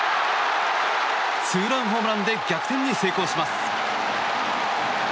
ツーランホームランで逆転に成功します。